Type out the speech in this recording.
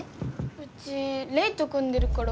うちレイと組んでるから。